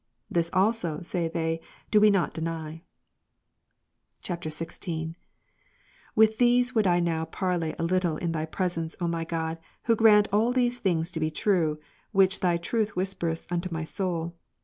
"This also," say they, " do we not deny." [XVI.] 23. With these would I now parley a little in Thy presence, O my God, who grant all these things to be true, which ThyTruthwhispersuntomy soul.